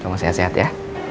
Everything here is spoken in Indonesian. kamu sehat sehat ya